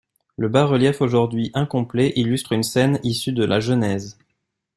Le bas-relief, aujourd'hui incomplet, illustre une scène issue de la Genèse.